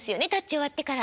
終わってから。